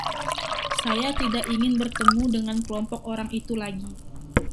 Saya tidak ingin bertemu dengan kelompok orang itu lagi.